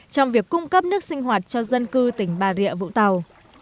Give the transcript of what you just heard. trong việc cung cấp nước sinh hoạt cho dân cư tỉnh bà rịa vũng tàu